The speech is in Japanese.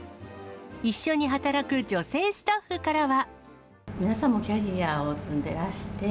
一緒に働く女性スタッフからは。